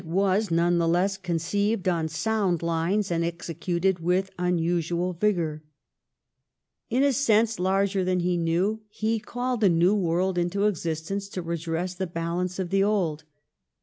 80 THE LAST YEARS OF TORY RULE [1822 none the less conceived on sound lines and executed with unusual vigour. In a sense larger than he knew he " called a new world into existence to redress the balance of the old